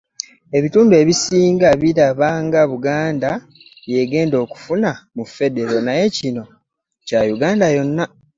Ebitundu ebisinga biraba nga Buganda y'egenda okufuna mu ffedero naye kino kya Uganda yonna